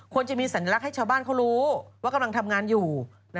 ควรจะมีสัญลักษณ์ให้ชาวบ้านเขารู้ว่ากำลังทำงานอยู่